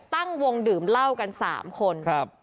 ตั้งวงดื่มเหล้ากัน๓คน